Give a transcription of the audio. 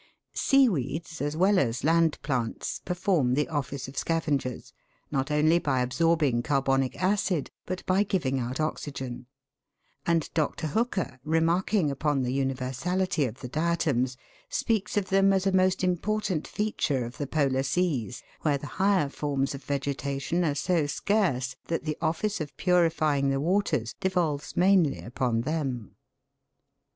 Seaweeds, as well as land plants, perform the office of scavengers, not only by absorbing carbonic acid, but by giving out oxygen ; and Dr. Hooker, remarking upon the universality of the diatoms, speaks of them as a most important feature of the Polar seas, where the higher forms of vegetation are so scarce that the office of purifying the waters devolves mainly upon them.